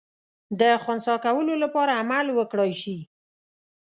د خنثی کولو لپاره عمل وکړای سي.